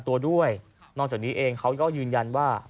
มันเป็นการพยายามฆ่า